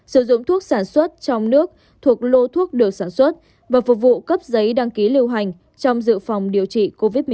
sử dụng thuốc sản xuất trong nước thuộc lô thuốc được sản xuất và phục vụ cấp giấy đăng ký lưu hành trong dự phòng điều trị covid một mươi chín